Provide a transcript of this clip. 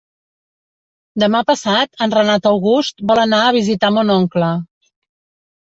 Demà passat en Renat August vol anar a visitar mon oncle.